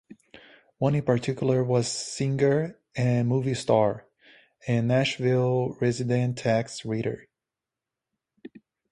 One in particular was singer and movie star, and Nashville resident, Tex Ritter.